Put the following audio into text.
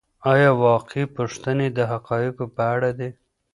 آيا واقعي پوښتنې د حقایقو په اړه دي؟